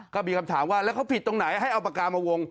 ก็มีคำถามว่าแล้วเขาผิดตรงไหนให้เอาปากกามาวง